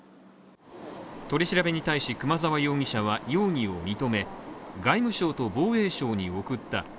取り調べに対し熊沢容疑者は容疑を認め、外務省と防衛省に送った。